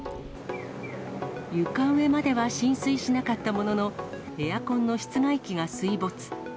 床上までは浸水しなかったものの、エアコンの室外機が水没。